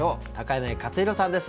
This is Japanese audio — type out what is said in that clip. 柳克弘さんです。